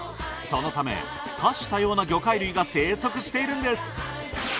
そのため多種多様な魚介類が生息しているんです。